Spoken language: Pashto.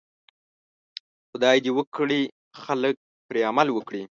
خدای دې وکړي خلک پرې عمل وکړي.